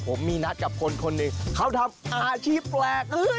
ผมมีนัดกับคนคนหนึ่งเขาทำอาชีพแปลก